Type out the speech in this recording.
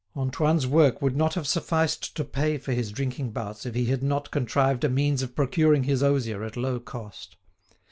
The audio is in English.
Antoine's work would not have sufficed to pay for his drinking bouts if he had not contrived a means of procuring his osier at low cost.